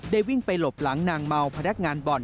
วิ่งไปหลบหลังนางเมาพนักงานบ่อน